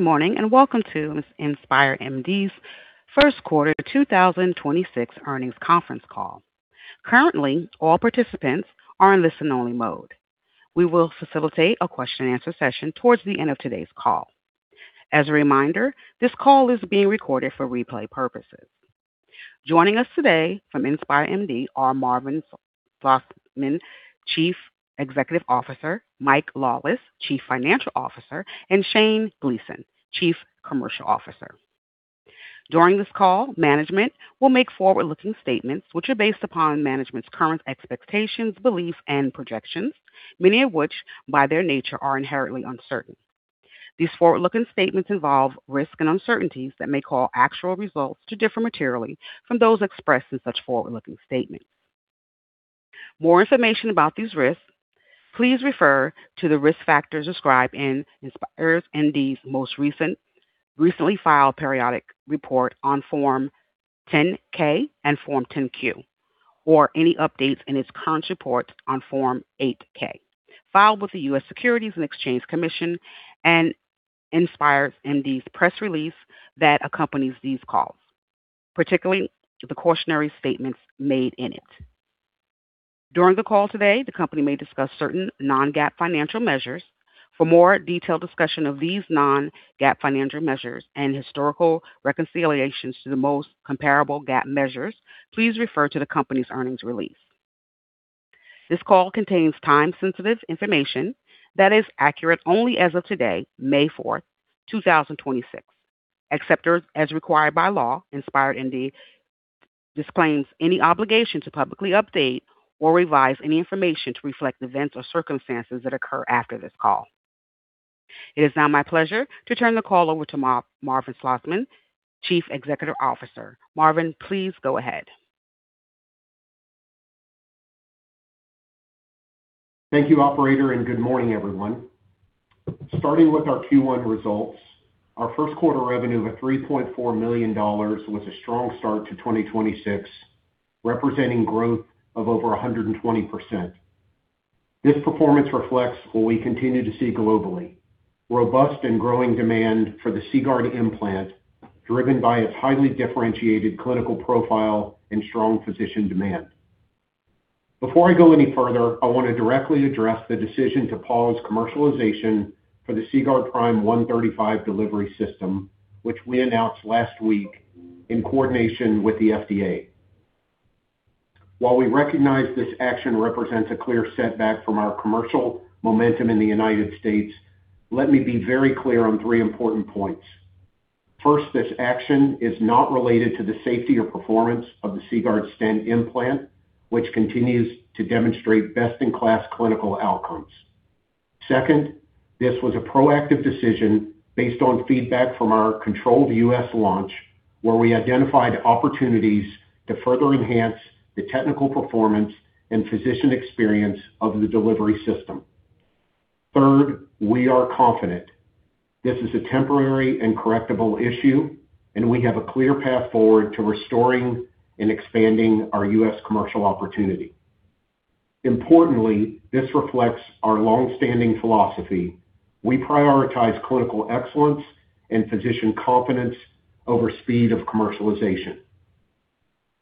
Morning and welcome to InspireMD's first quarter 2026 earnings conference call. Currently, all participants are in listen-only mode. We will facilitate a question and answer session towards the end of today's call. As a reminder, this call is being recorded for replay purposes. Joining us today from InspireMD are Marvin Slosman, Chief Executive Officer; Mike Lawless, Chief Financial Officer; and Shane Gleason, Chief Commercial Officer. During this call, management will make forward-looking statements which are based upon management's current expectations, beliefs, and projections, many of which, by their nature, are inherently uncertain. These forward-looking statements involve risks and uncertainties that may cause actual results to differ materially from those expressed in such forward-looking statements. More information about these risks, please refer to the risk factors described in InspireMD's most recently filed periodic report on Form 10-K and Form 10-Q, or any updates in its current report on Form 8-K filed with the U.S. Securities and Exchange Commission and InspireMD's press release that accompanies these calls, particularly the cautionary statements made in it. During the call today, the company may discuss certain non-GAAP financial measures. For more detailed discussion of these non-GAAP financial measures and historical reconciliations to the most comparable GAAP measures, please refer to the company's earnings release. This call contains time-sensitive information that is accurate only as of today, May 4, 2026. Except as required by law, InspireMD disclaims any obligation to publicly update or revise any information to reflect events or circumstances that occur after this call. It is now my pleasure to turn the call over to Marvin Slosman, Chief Executive Officer. Marvin, please go ahead. Thank you, operator, and good morning, everyone. Starting with our Q1 results, our first quarter revenue of $3.4 million was a strong start to 2026, representing growth of over 120%. This performance reflects what we continue to see globally: robust and growing demand for the CGuard implant, driven by its highly differentiated clinical profile and strong physician demand. Before I go any further, I want to directly address the decision to pause commercialization for the CGuard Prime 135 delivery system, which we announced last week in coordination with the FDA. While we recognize this action represents a clear setback from our commercial momentum in the U.S., let me be very clear on three important points. First, this action is not related to the safety or performance of the CGuard stent implant, which continues to demonstrate best-in-class clinical outcomes. Second, this was a proactive decision based on feedback from our controlled U.S. launch, where we identified opportunities to further enhance the technical performance and physician experience of the delivery system. Third, we are confident this is a temporary and correctable issue, and we have a clear path forward to restoring and expanding our U.S. commercial opportunity. Importantly, this reflects our long-standing philosophy. We prioritize clinical excellence and physician confidence over speed of commercialization.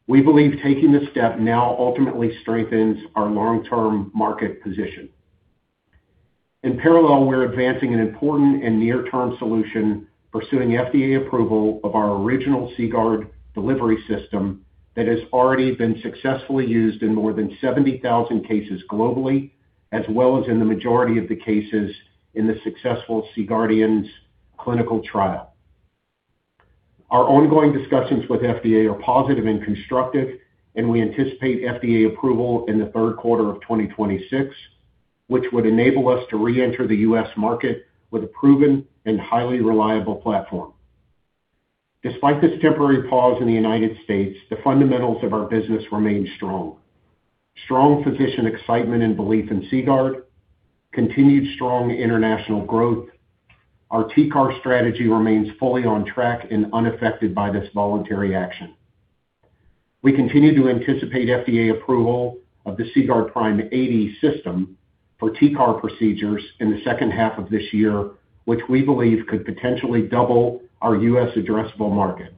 We believe taking this step now ultimately strengthens our long-term market position. In parallel, we're advancing an important and near-term solution pursuing FDA approval of our original CGuard delivery system that has already been successfully used in more than 70,000 cases globally, as well as in the majority of the cases in the successful C-GUARDIANS clinical trial. Our ongoing discussions with FDA are positive and constructive. We anticipate FDA approval in the third quarter of 2026, which would enable us to reenter the U.S. market with a proven and highly reliable platform. Despite this temporary pause in the United States, the fundamentals of our business remain strong. Strong physician excitement and belief in CGuard, continued strong international growth. Our TCAR strategy remains fully on track and unaffected by this voluntary action. We continue to anticipate FDA approval of the CGuard Prime 80 system for TCAR procedures in the second half of this year, which we believe could potentially double our U.S. addressable market.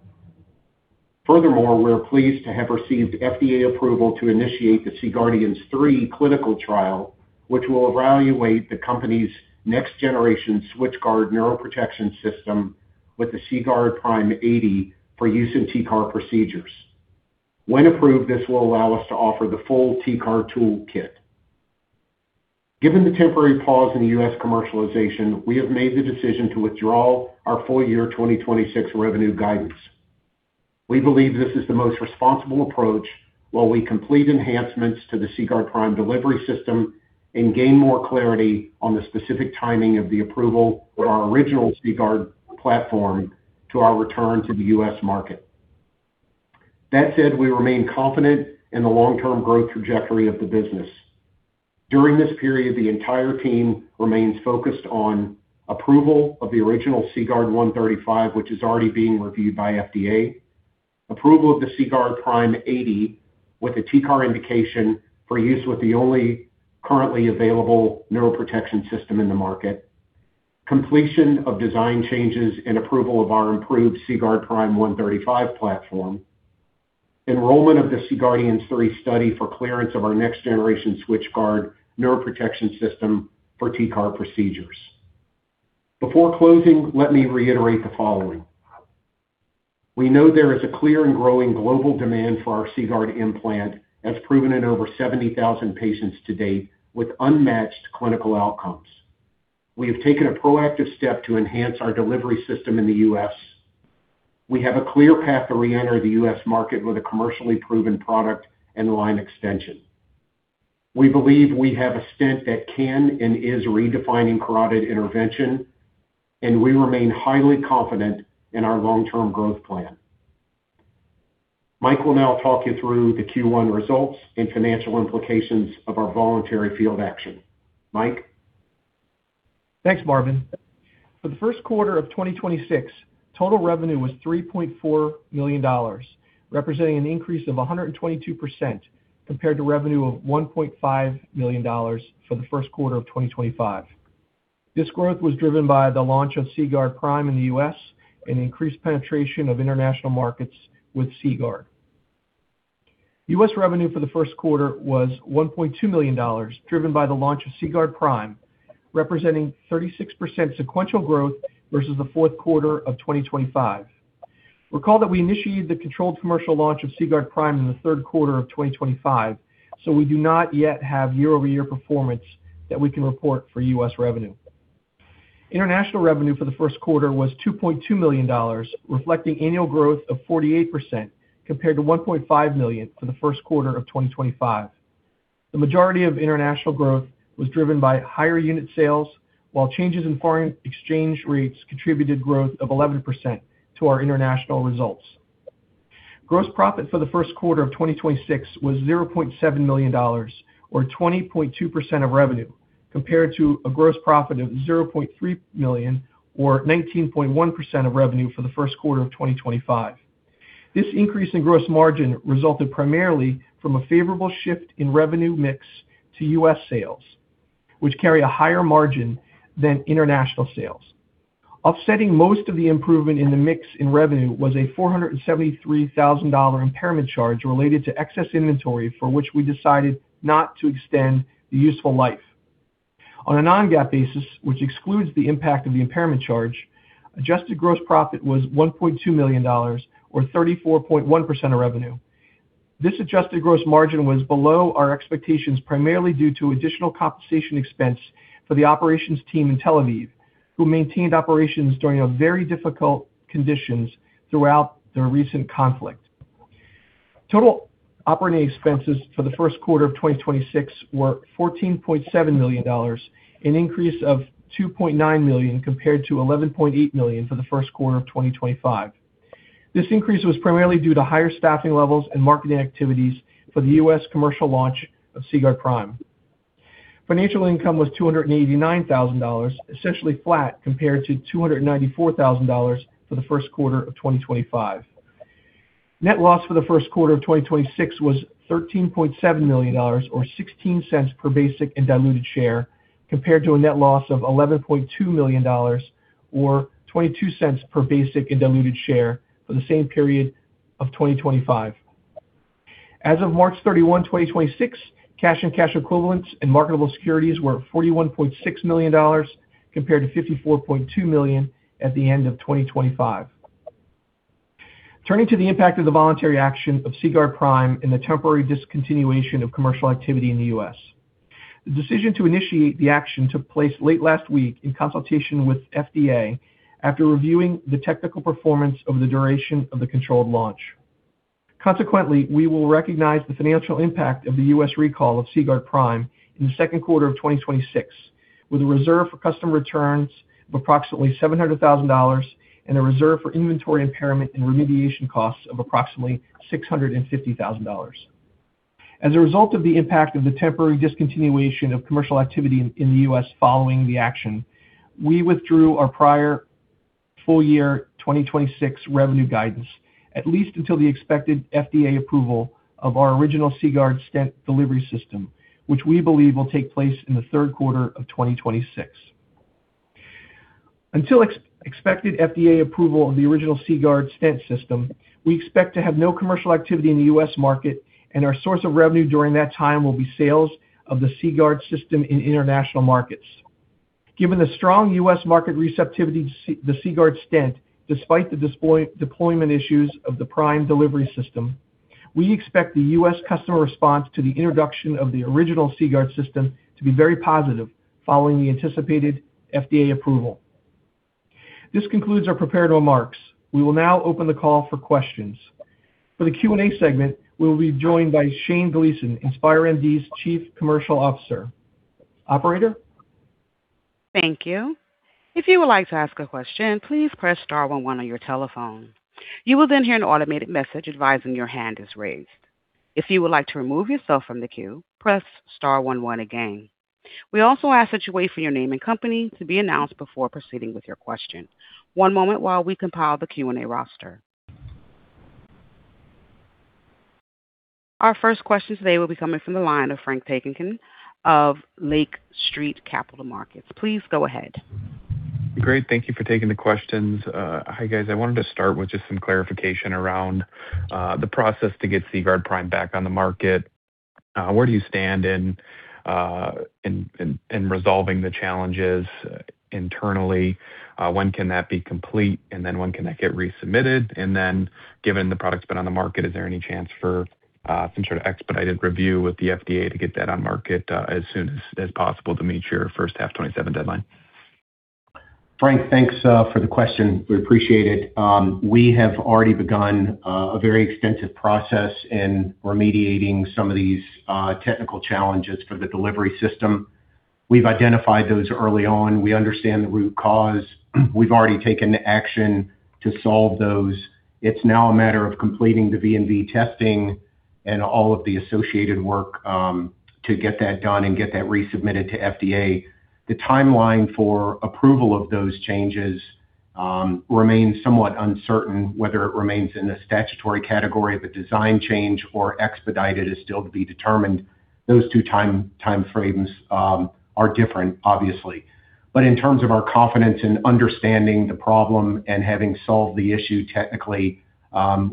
Furthermore, we're pleased to have received FDA approval to initiate the CGUARDIANS III clinical trial, which will evaluate the company's next generation SwitchGuard neuroprotection system with the CGuard Prime 80 for use in TCAR procedures. When approved, this will allow us to offer the full TCAR toolkit. Given the temporary pause in the U.S. commercialization, we have made the decision to withdraw our full year 2026 revenue guidance. We believe this is the most responsible approach while we complete enhancements to the CGuard Prime delivery system and gain more clarity on the specific timing of the approval for our original CGuard platform to our return to the U.S. market. That said, we remain confident in the long-term growth trajectory of the business. During this period, the entire team remains focused on approval of the original CGuard 135, which is already being reviewed by FDA. Approval of the CGuard Prime 80 with a TCAR indication for use with the only currently available neuroprotection system in the market, and completion of design changes and approval of our improved CGuard Prime 135 platform. Enrollment of the CGUARDIANS III study for clearance of our next generation SwitchGuard neuroprotection system for TCAR procedures. Before closing, let me reiterate the following. We know there is a clear and growing global demand for our CGuard implant, as proven in over 70,000 patients to date with unmatched clinical outcomes. We have taken a proactive step to enhance our delivery system in the U.S. We have a clear path to reenter the U.S. market with a commercially proven product and line extension. We believe we have a stent that can and is redefining carotid intervention, and we remain highly confident in our long-term growth plan. Mike will now talk you through the Q1 results and financial implications of our voluntary field action. Mike? Thanks, Marvin. For the first quarter of 2026, total revenue was $3.4 million, representing an increase of 122% compared to revenue of $1.5 million for the first quarter of 2025. This growth was driven by the launch of CGuard Prime in the U.S. and increased penetration of international markets with CGuard. U.S. revenue for the first quarter was $1.2 million, driven by the launch of CGuard Prime, representing 36% sequential growth versus the fourth quarter of 2025. Recall that we initiated the controlled commercial launch of CGuard Prime in the third quarter of 2025, we do not yet have year-over-year performance that we can report for U.S. revenue. International revenue for the first quarter was $2.2 million, reflecting annual growth of 48% compared to $1.5 million for the first quarter of 2025. The majority of international growth was driven by higher unit sales, while changes in foreign exchange rates contributed growth of 11% to our international results. Gross profit for the first quarter of 2026 was $0.7 million or 20.2% of revenue, compared to a gross profit of $0.3 million or 19.1% of revenue for the first quarter of 2025. This increase in gross margin resulted primarily from a favorable shift in revenue mix to U.S. sales, which carry a higher margin than international sales. Offsetting most of the improvement in the mix in revenue was a $473,000 impairment charge related to excess inventory for which we decided not to extend the useful life. On a non-GAAP basis, which excludes the impact of the impairment charge, adjusted gross profit was $1.2 million or 34.1% of revenue. This adjusted gross margin was below our expectations primarily due to additional compensation expense for the operations team in Tel Aviv, who maintained operations during very difficult conditions throughout the recent conflict. Total operating expenses for the first quarter of 2026 were $14.7 million, an increase of $2.9 million compared to $11.8 million for the first quarter of 2025. This increase was primarily due to higher staffing levels and marketing activities for the U.S. commercial launch of CGuard Prime. Financial income was $289,000, essentially flat compared to $294,000 for the first quarter of 2025. Net loss for the first quarter of 2026 was $13.7 million or $0.16 per basic and diluted share, compared to a net loss of $11.2 million or $0.22 per basic and diluted share for the same period of 2025. As of March 31, 2026, cash and cash equivalents and marketable securities were $41.6 million compared to $54.2 million at the end of 2025. Turning to the impact of the voluntary action of CGuard Prime and the temporary discontinuation of commercial activity in the U.S. The decision to initiate the action took place late last week in consultation with FDA after reviewing the technical performance over the duration of the controlled launch. Consequently, we will recognize the financial impact of the U.S. recall of CGuard Prime in the second quarter of 2026, with a reserve for customer returns of approximately $700,000 and a reserve for inventory impairment and remediation costs of approximately $650,000. As a result of the impact of the temporary discontinuation of commercial activity in the U.S. following the action, we withdrew our prior full year 2026 revenue guidance at least until the expected FDA approval of our original CGuard stent delivery system, which we believe will take place in the third quarter of 2026. Until expected FDA approval of the original CGuard stent system, we expect to have no commercial activity in the U.S. market, and our source of revenue during that time will be sales of the CGuard system in international markets. Given the strong U.S. market receptivity to the CGuard stent, despite the deployment issues of the Prime delivery system, we expect the U.S. customer response to the introduction of the original CGuard system to be very positive following the anticipated FDA approval. This concludes our prepared remarks. We will now open the call for questions. For the Q&A segment, we'll be joined by Shane Gleason, InspireMD's Chief Commercial Officer. Operator? Thank you. If you would like to ask a question, please press star one one on your telephone. You will then hear an automated message advising your hand is raised. If you would like to remove yourself from the queue, press star one one again. We also ask that you wait for your name and company to be announced before proceeding with your question. One moment while we compile the Q&A roster. Our first question today will be coming from the line of Frank Takkinen of Lake Street Capital Markets. Please go ahead. Great. Thank you for taking the questions. Hi, guys. I wanted to start with just some clarification around the process to get CGuard Prime back on the market. Where do you stand in resolving the challenges internally? When can that be complete, when can that get resubmitted? Given the product's been on the market, is there any chance for some sort of expedited review with the FDA to get that on market as soon as possible to meet your first half 2027 deadline? Frank, thanks for the question. We appreciate it. We have already begun a very extensive process in remediating some of these technical challenges for the delivery system. We've identified those early on. We understand the root cause. We've already taken action to solve those. It's now a matter of completing the V&V testing and all of the associated work to get that done and get that resubmitted to FDA. The timeline for approval of those changes remains somewhat uncertain. Whether it remains in the statutory category of a design change or expedited is still to be determined. Those two-time frames are different, obviously. In terms of our confidence in understanding the problem and having solved the issue technically,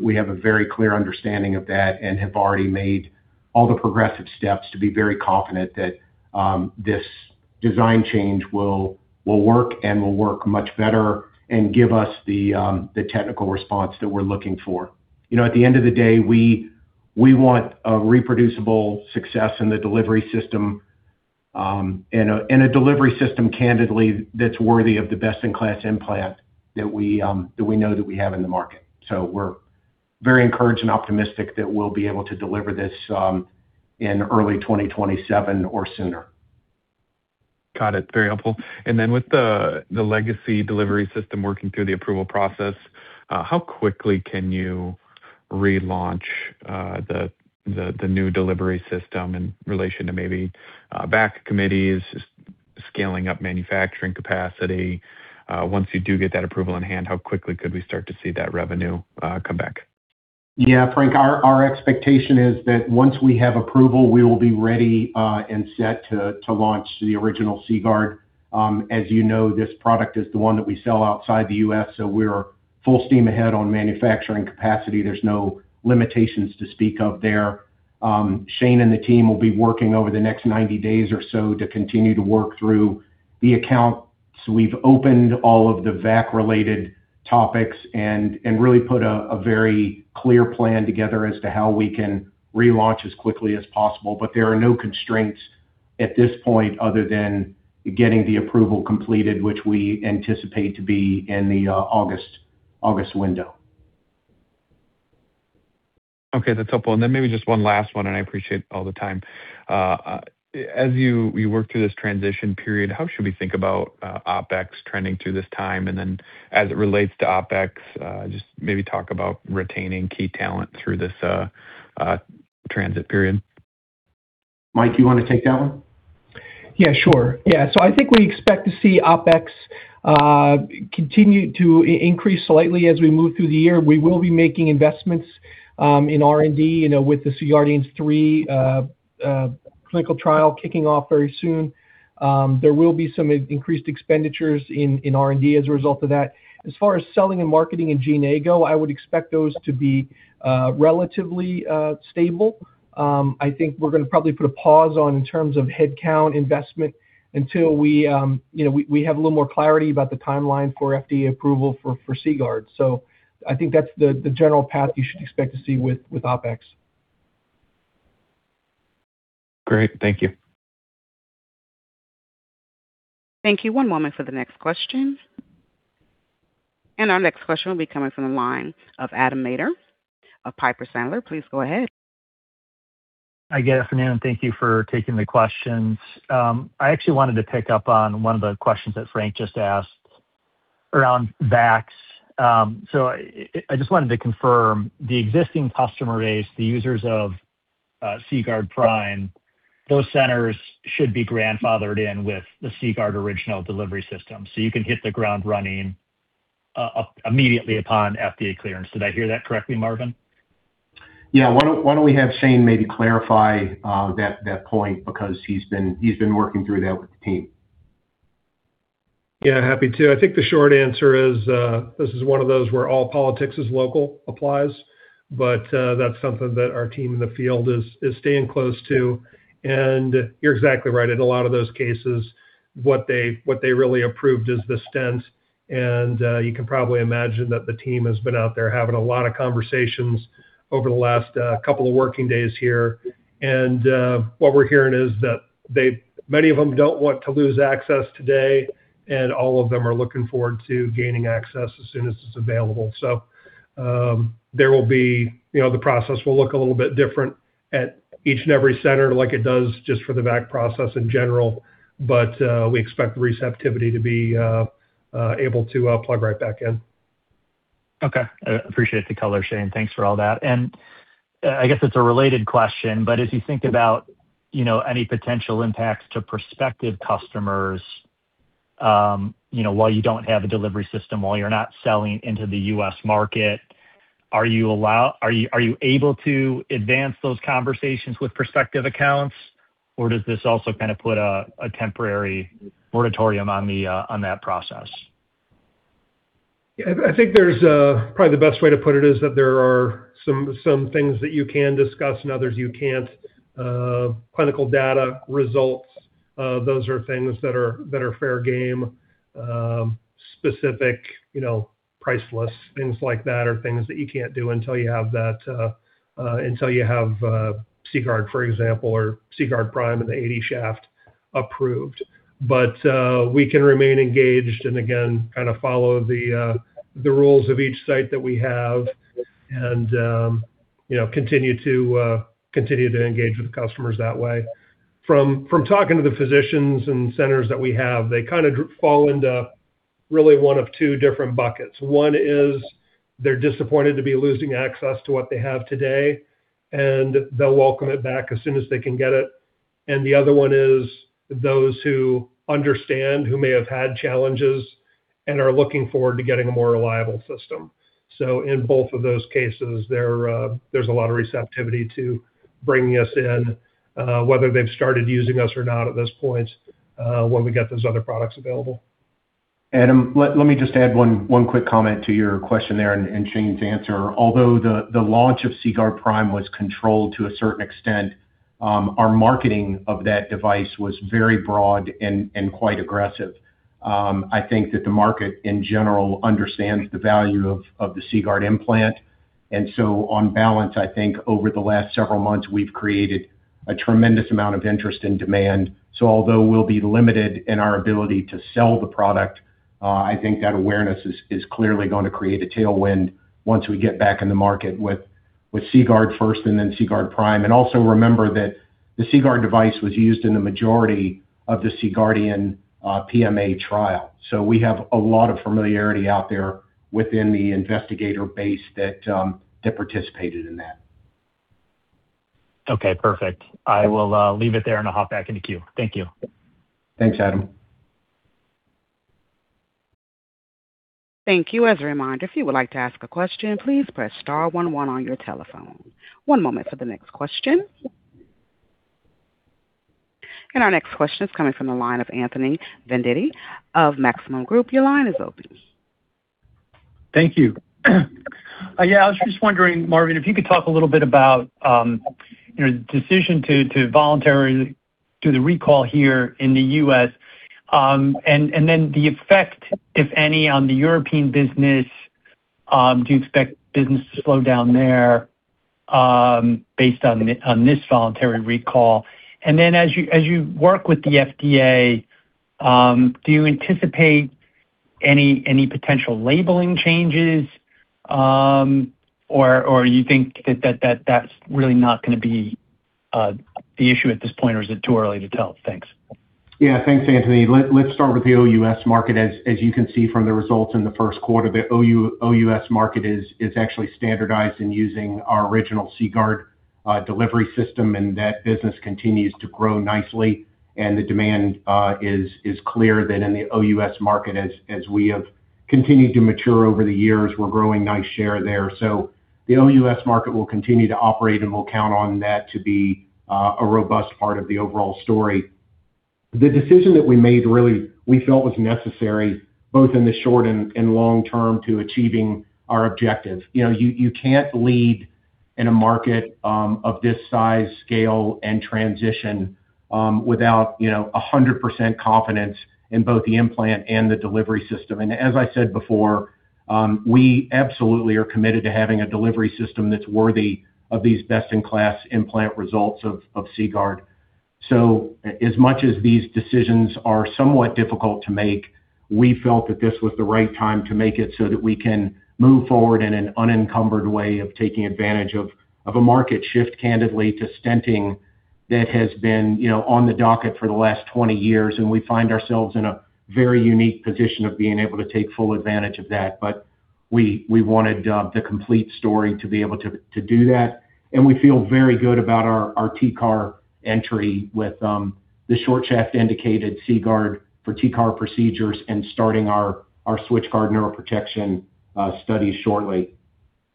we have a very clear understanding of that and have already made all the progressive steps to be very confident that this design change will work and will work much better and give us the technical response that we're looking for. You know, at the end of the day, we want a reproducible success in the delivery system, and a delivery system candidly that's worthy of the best-in-class implant that we know that we have in the market. We're very encouraged and optimistic that we'll be able to deliver this in early 2027 or sooner. Got it. Very helpful. With the legacy delivery system working through the approval process, how quickly can you relaunch the new delivery system in relation to maybe VAC committees, scaling up manufacturing capacity? Once you do get that approval in hand, how quickly could we start to see that revenue come back? Yeah, Frank, our expectation is that once we have approval, we will be ready and set to launch the original CGuard. As you know, this product is the one that we sell outside the U.S., we're full steam ahead on manufacturing capacity. There's no limitations to speak of there. Shane and the team will be working over the next 90 days or so to continue to work through the accounts. We've opened all of the VAC-related topics and really put a very clear plan together as to how we can relaunch as quickly as possible. There are no constraints at this point other than getting the approval completed, which we anticipate to be in the August window. Okay. That's helpful. Maybe just one last one, and I appreciate all the time. As you work through this transition period, how should we think about OpEx trending through this time? As it relates to OpEx, just maybe talk about retaining key talent through this transit period. Mike, you wanna take that one? Yeah, sure. Yeah. I think we expect to see OpEx continue to increase slightly as we move through the year. We will be making investments in R&D, you know, with the CGUARDIANS III clinical trial kicking off very soon. There will be some increased expenditures in R&D as a result of that. As far as selling and marketing and G&A, I would expect those to be relatively stable. I think we're gonna probably put a pause on in terms of head count investment until we, you know, have a little more clarity about the timeline for FDA approval for CGuard. I think that's the general path you should expect to see with OpEx. Great. Thank you. Thank you. One moment for the next question. Our next question will be coming from the line of Adam Maeder of Piper Sandler. Please go ahead. Hi, good afternoon. Thank you for taking the questions. I actually wanted to pick up on one of the questions that Frank just asked around VACs. I just wanted to confirm the existing customer base, the users of CGuard Prime, those centers should be grandfathered in with the CGuard original delivery system. You can hit the ground running immediately upon FDA clearance. Did I hear that correctly, Marvin? Yeah. Why don't we have Shane maybe clarify that point? Because he's been working through that with the team. Yeah. Happy to. I think the short answer is, this is one of those where all politics is local applies, but that's something that our team in the field is staying close to. You're exactly right. In a lot of those cases, what they really approved is the stent. You can probably imagine that the team has been out there having a lot of conversations over the last couple of working days here. What we're hearing is that many of them don't want to lose access today, and all of them are looking forward to gaining access as soon as it's available. You know, the process will look a little bit different at each and every center like it does just for the VAC process in general. We expect receptivity to be able to plug right back in. Okay. I appreciate the color, Shane. Thanks for all that. I guess it's a related question, but as you think about, you know, any potential impacts to prospective customers, you know, while you don't have a delivery system, while you're not selling into the U.S. market, are you able to advance those conversations with prospective accounts? Or does this also kind of put a temporary moratorium on that process? I think there's probably the best way to put it is that there are some things that you can discuss and others you can't. Clinical data results, those are things that are fair game. Specific, you know, price lists, things like that are things that you can't do until you have that until you have CGuard, for example, or CGuard Prime and the 80 shaft approved. We can remain engaged and again, kind of follow the rules of each site that we have and, you know, continue to engage with customers that way. From talking to the physicians and centers that we have, they kind of fall into really one of two different buckets. One is they're disappointed to be losing access to what they have today, and they'll welcome it back as soon as they can get it. The other one is those who understand, who may have had challenges and are looking forward to getting a more reliable system. In both of those cases, there's a lot of receptivity to bringing us in, whether they've started using us or not at this point, when we get those other products available. Adam, let me just add one quick comment to your question there and Shane's answer. Although the launch of CGuard Prime was controlled to a certain extent, our marketing of that device was very broad and quite aggressive. I think that the market in general understands the value of the CGuard implant. On balance, I think over the last several months, we've created a tremendous amount of interest and demand. Although we'll be limited in our ability to sell the product, I think that awareness is clearly going to create a tailwind once we get back in the market with CGuard first and then CGuard Prime. Also remember that the CGuard device was used in the majority of the C-GUARDIANS PMA trial. We have a lot of familiarity out there within the investigator base that participated in that. Okay, perfect. I will leave it there, and I'll hop back in the queue. Thank you. Thanks, Adam. Thank you. As a reminder, if you would like to ask a question, please press star one one on your telephone. One moment for the next question. Our next question is coming from the line of Anthony Vendetti of Maxim Group. Your line is open. Thank you. I was just wondering, Marvin, if you could talk a little bit about, you know, the decision to voluntarily do the recall here in the U.S., and then the effect, if any, on the European business. Do you expect business to slow down there, based on this voluntary recall? As you work with the FDA, do you anticipate any potential labeling changes, or you think that that's really not gonna be the issue at this point, or is it too early to tell? Thanks. Thanks, Anthony. Let's start with the OUS market. As you can see from the results in the first quarter, the OUS market is actually standardized in using our original CGuard delivery system, that business continues to grow nicely. The demand is clear that in the OUS market, as we have continued to mature over the years, we're growing nice share there. The OUS market will continue to operate, we'll count on that to be a robust part of the overall story. The decision that we made really we felt was necessary both in the short and long term to achieving our objective. You know, you can't lead in a market of this size, scale, and transition without, you know, 100% confidence in both the implant and the delivery system. As I said before, we absolutely are committed to having a delivery system that's worthy of these best-in-class implant results of CGuard. As much as these decisions are somewhat difficult to make, we felt that this was the right time to make it so that we can move forward in an unencumbered way of taking advantage of a market shift candidly to stenting that has been, you know, on the docket for the last 20 years, and we find ourselves in a very unique position of being able to take full advantage of that. We, we wanted the complete story to be able to do that. We feel very good about our TCAR entry with the short shaft indicated CGuard for TCAR procedures and starting our SwitchGuard neuroprotection studies shortly.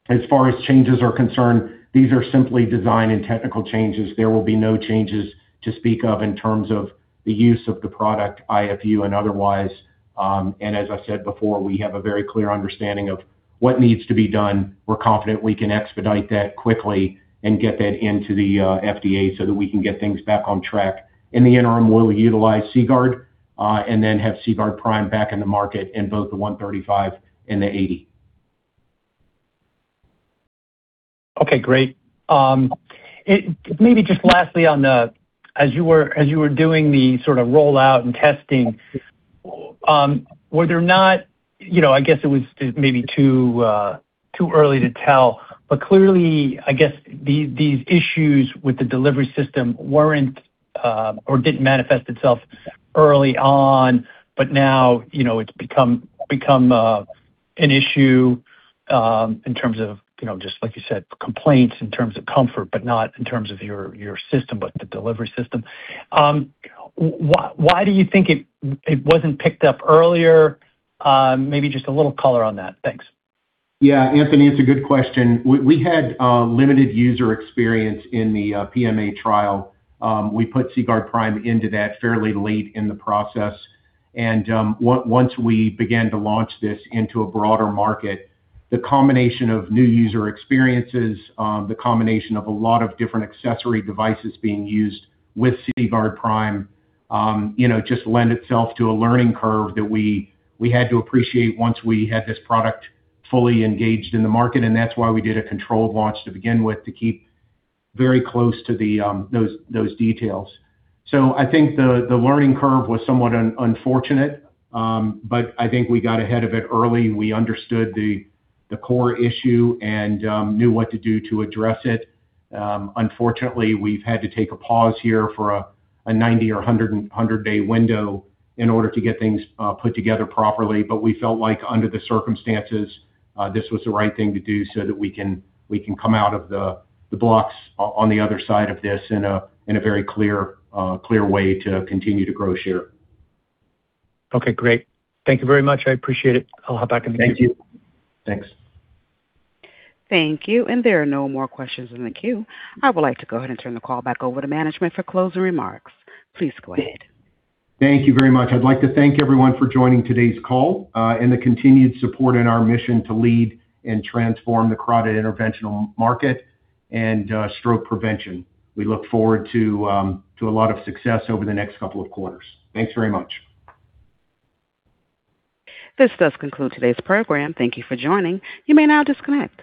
As far as changes are concerned, these are simply design and technical changes. There will be no changes to speak of in terms of the use of the product, IFU and otherwise. As I said before, we have a very clear understanding of what needs to be done. We're confident we can expedite that quickly and get that into the FDA so that we can get things back on track. In the interim, we'll utilize CGuard and then have CGuard Prime back in the market in both the 135 and the 80. Okay, great. Maybe just lastly on the as you were doing the sort of rollout and testing, you know, I guess it was maybe too early to tell, but clearly, I guess these issues with the delivery system weren't or didn't manifest itself early on, but now, you know, it's become an issue in terms of, you know, just like you said, complaints in terms of comfort, but not in terms of your system, but the delivery system. Why do you think it wasn't picked up earlier? Maybe just a little color on that. Thanks. Anthony, it's a good question. We had limited user experience in the PMA trial. We put CGuard Prime into that fairly late in the process. Once we began to launch this into a broader market, the combination of new user experiences, the combination of a lot of different accessory devices being used with CGuard Prime, you know, just lend itself to a learning curve that we had to appreciate once we had this product fully engaged in the market. That's why we did a controlled launch to begin with, to keep very close to those details. I think the learning curve was somewhat unfortunate, but I think we got ahead of it early. We understood the core issue and knew what to do to address it. Unfortunately, we've had to take a pause here for a 90 or 100 day window in order to get things put together properly. We felt like under the circumstances, this was the right thing to do so that we can, we can come out of the blocks on the other side of this in a very clear way to continue to grow share. Okay, great. Thank you very much. I appreciate it. I'll hop back in the queue. Thank you. Thanks. Thank you. There are no more questions in the queue. I would like to go ahead and turn the call back over to management for closing remarks. Please go ahead. Thank you very much. I'd like to thank everyone for joining today's call and the continued support in our mission to lead and transform the carotid interventional market and stroke prevention. We look forward to a lot of success over the next couple of quarters. Thanks very much. This does conclude today's program. Thank you for joining. You may now disconnect.